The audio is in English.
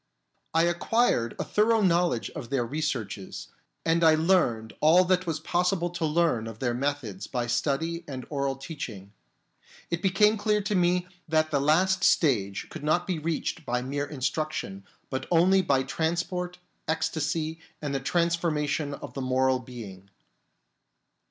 I acquired a thorough knowledge of their researches, and I learned all that was possible to learn of their methods by study and oral teaching. It became clear to me that the last stage could not be reached by mere instruction, but only by trans port, ecstasy, and the transformation of the moral being.